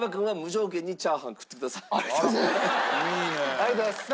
ありがとうございます！